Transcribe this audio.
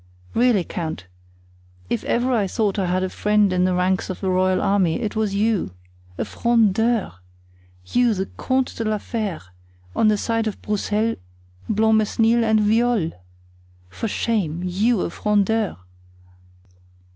Really, count, if ever I thought that I had a friend in the ranks of the royal army, it was you. A Frondeur! you, the Comte de la Fere, on the side of Broussel, Blancmesnil and Viole! For shame! you, a Frondeur!"